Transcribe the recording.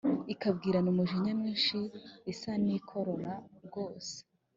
ikabwirana umujinya mwinshi isa n'ikarora rwose